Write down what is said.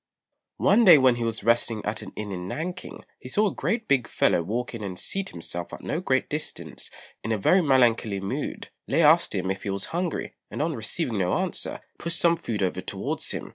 One day when he was resting at an inn in Nanking, he saw a great big fellow walk in and seat himself at no great distance in a very melancholy mood. Lê asked him if he was hungry, and on receiving no answer, pushed some food over towards him.